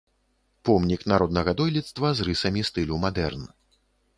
Помнік народнага дойлідства з рысамі стылю мадэрн.